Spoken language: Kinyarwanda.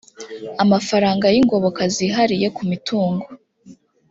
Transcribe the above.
amafaranga y ingoboka zihariye ku mitungo